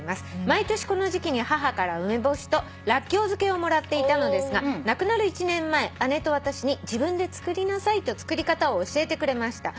「毎年この時期に母から梅干しとらっきょう漬けをもらっていたのですが亡くなる１年前姉と私に『自分で作りなさい』と作り方を教えてくれました」